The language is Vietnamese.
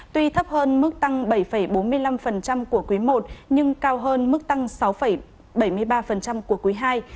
tuy thấp hơn mức tăng bảy bốn mươi năm của quý i nhưng cao hơn mức tăng sáu bảy mươi ba của quý ii